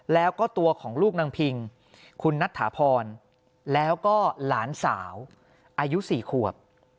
แล้วก็ตัวของลูกนางพิงคุณนัทถาพรแล้วก็หลานสาวอายุ๔ขวบ